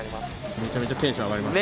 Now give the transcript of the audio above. めちゃめちゃテンション上がりますね。